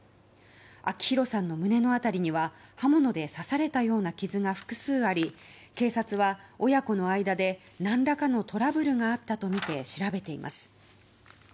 明弘さんの胸の辺りには刃物で刺されたような傷が複数あり警察は親子の間で何らかのトラブルがあったとみて調べています。